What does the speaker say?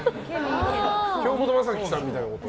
京本政樹さんみたいなこと？